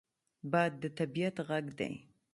باد د طبعیت غږ دی